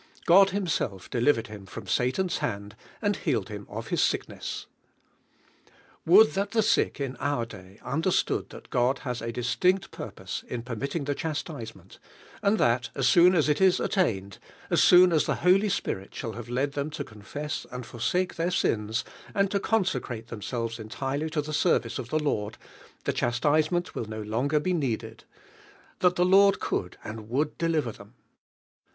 God Himself delivered htm from Patau's hand and healed him of his siek Wouhl Hi h the siik in our day under stood thai God lias a distinct purpose in permitting the chastisement, and thai as soon as it is attained, aa soon aw I. lie Holy Spirit shall have led I hem to confess and forsake their sina and to consecrate them selves euiireh to the service of the Lord, 1 1, chastisement will no Longer be need ed, — that the Lord could and woald deliv er them!